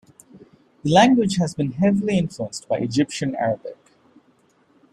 The language has been heavily influenced by Egyptian Arabic.